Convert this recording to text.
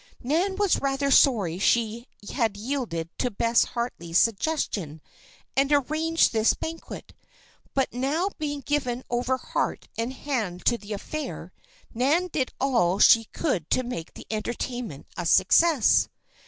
Nan was rather sorry she had yielded to Bess Harley's suggestion and arranged this banquet. But now being given over heart and hand to the affair, Nan did all she could to make the entertainment a success.